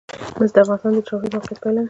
مس د افغانستان د جغرافیایي موقیعت پایله ده.